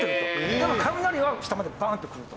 でも雷は下までバーンって来ると。